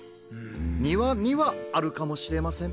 「にわ」にはあるかもしれません。